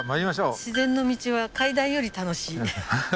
自然の道は階段より楽しい。